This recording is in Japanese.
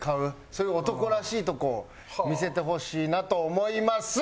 そういう男らしいとこを見せてほしいなと思います！